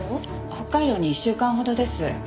北海道に１週間ほどです。